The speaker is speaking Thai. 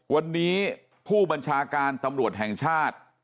วันนี้ผู้บัญชาการตำรวจแห่งชาติ